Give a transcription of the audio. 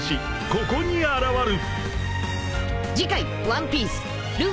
ここに現る！］